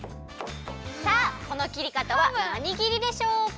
さあこの切りかたはなに切りでしょうか？